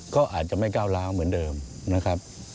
ก็อาจจะไม่ก้าวร้าวเหมือนเดิมนะครับ